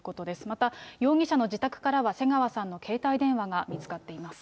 また容疑者の自宅からは、瀬川さんの携帯電話が見つかっています。